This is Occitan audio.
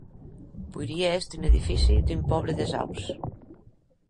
Poirie èster un edifici d'un pòble des Aups.